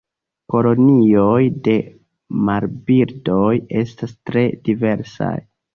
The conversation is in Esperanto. Kolonioj de marbirdoj estas tre diversaj.